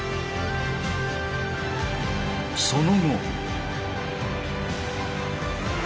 その後。